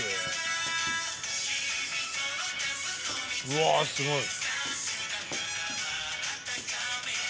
うわすごい。